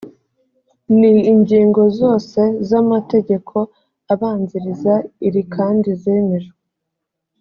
ni ingingo zose z’amategeko abanziriza iri kandi zemejwe